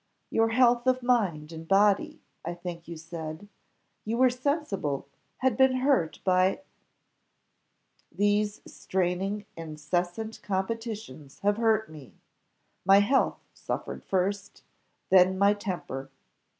your health of mind and body, I think you said, you were sensible had been hurt by " "These straining, incessant competitions have hurt me. My health suffered first, then my temper.